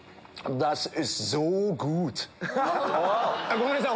ごめんなさい！